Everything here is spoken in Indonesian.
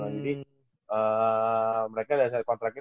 eee mereka dasar kontraknya